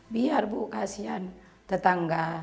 biar bukasian tetangga